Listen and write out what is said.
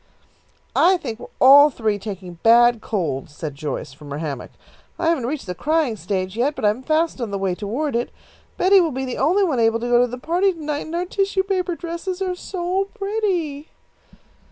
"I think we are all three taking bad colds," said Joyce, from her hammock. "I haven't reached the crying stage yet, but I'm fast on the way toward it. Betty will be the only one able to go to the party to night, and our tissue paper dresses are so pretty."